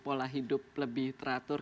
pola hidup lebih teratur